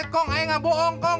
kau nggak bohong kau